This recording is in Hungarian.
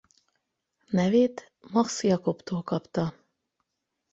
Nevét Max Jacobtól kapta.